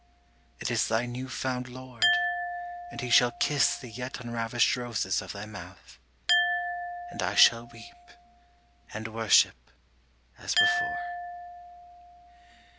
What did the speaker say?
It is thy new found Lord, and he shall kiss The yet unravished roses of thy mouth, And I shall weep and worship, as before.